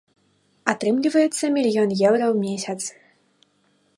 Атрымліваецца мільён еўра ў месяц.